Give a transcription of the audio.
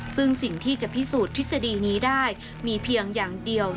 ซึ่งสิ่งที่จะพิสูจน์ทฤษฎีนี้ได้มีเพียงอย่างเดียว